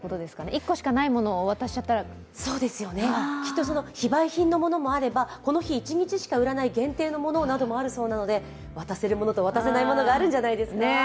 １個しかないものを渡しちゃったらきっと非売品のものもあればこの日一日しか売らない限定のものなどもあるそうで、渡せるものと、渡せないものがあるんじゃないですか。